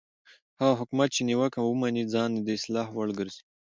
هغه حکومت چې نیوکه ومني ځان د اصلاح وړ ګرځوي